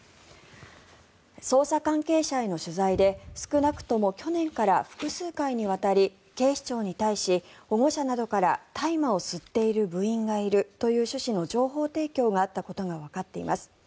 捜査関係者への取材で少なくとも去年から複数回にわたり警視庁に対し、保護者などから大麻を吸っている部員がいるという趣旨の情報提供があったことがわかっています。